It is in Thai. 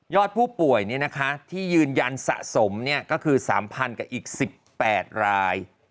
ยอดผู้ป่วยนี่นะคะที่ยืนยันสะสมก็คือ๓๐๐๐กับอีก๑๘ราย